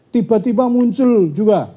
tiba tiba muncul juga